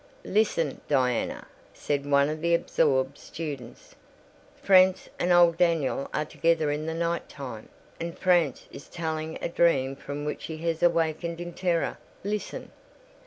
"Listen, Diana," said one of the absorbed students; "Franz and old Daniel are together in the night time, and Franz is telling a dream from which he has awakened in terror—listen!"